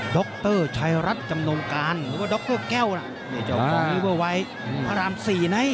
ดรชัยรัฐจำนงการหรือว่าดรแก้วน่ะนี่เจ้าของลิเวอร์ไวท์พระราม๔นะ